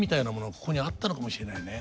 ここにあったのかもしれないね。